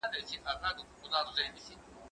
مځکه د بزګر له خوا کرل کيږي؟